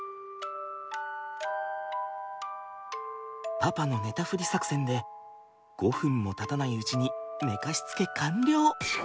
パパの寝たふり作戦で５分もたたないうちに寝かしつけ完了！